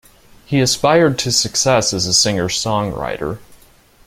He aspired to success as a singer-songwriter.